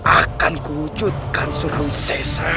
akan kucutkan surung seser